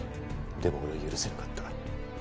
でも俺は許せなかった。